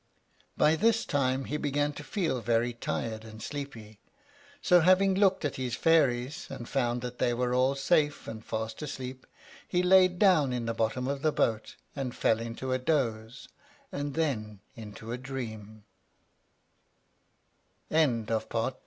By this time he began to feel very tired and sleepy; so, having looked at his fairies, and found that they were all safe and fast asleep, he laid down in the bottom of the boat, and fell into a doze, and then into a dream. CHAPTER IV.